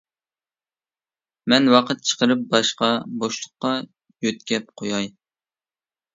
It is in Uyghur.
مەن ۋاقىت چىقىرىپ باشقا بوشلۇققا يۆتكەپ قوياي.